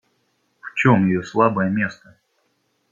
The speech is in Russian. В чем ее слабое место?